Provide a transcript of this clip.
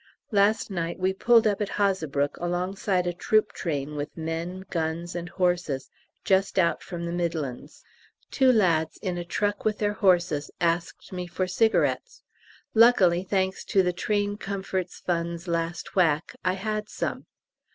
Last night we pulled up at Hazebrouck alongside a troop train with men, guns, and horses just out from the Midlands. Two lads in a truck with their horses asked me for cigarettes. Luckily, thanks to the Train Comforts Fund's last whack, I had some.